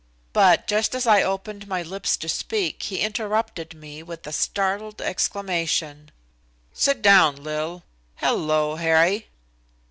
But just as I opened my lips to speak, he interrupted me with a startled exclamation: "Sit down, Lil. Hello, Harry."